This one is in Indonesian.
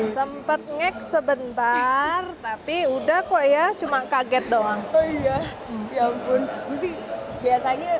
sempat ngek sebentar tapi udah kok ya cuma kaget doang oh yaelen pun biasanya